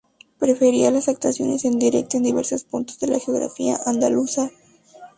Prefería las actuaciones en directo en diversos puntos de la geografía andaluza.